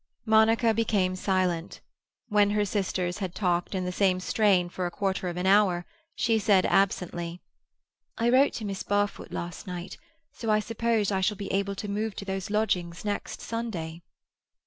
Monica became silent. When her sisters had talked in the same strain for a quarter of an hour, she said absently,— "I wrote to Miss Barfoot last night, so I suppose I shall be able to move to those lodgings next Sunday."